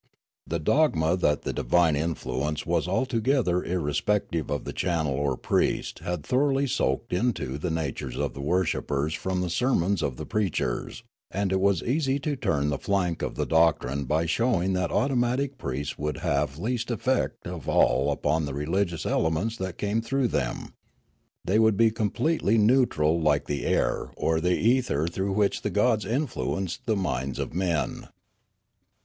The dogma that the divine influence was altogether irre spective of the channel or priest had thoroughly soaked into the natures of the worshippers from the sermons of the preachers ; and it was easy to turn the flank of the doctrine by showing that automatic priests would have least effect of all upon the religious elements that came through them. They would be completely neu tral like the air or the ether through which the gods influenced the minds of men.